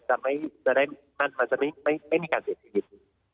จะไม่ได้มีการเสียจีสข้อมูล